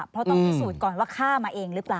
เพราะต้องพิสูจน์ก่อนว่าฆ่ามาเองหรือเปล่า